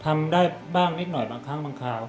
ทำได้บ้างนิดหน่อยบางครั้งบางคราว